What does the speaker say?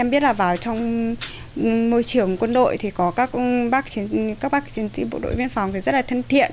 em biết là vào trong môi trường quân đội thì có các bác chiến sĩ bộ đội biên phòng rất là thân thiện